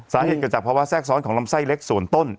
สาเหตุเกิดจากภาวะแทรกซ้อนของลำไส้เล็กส่วนต้น